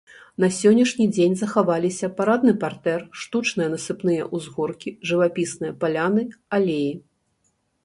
На сённяшні дзень захаваліся парадны партэр, штучныя насыпныя ўзгоркі, жывапісныя паляны, алеі.